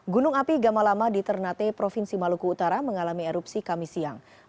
gunung api gamalama di ternate provinsi maluku utara mengalami erupsi kami siang